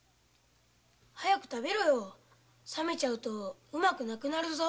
早く食べろよ冷めちゃうとうまくなくなるぞ。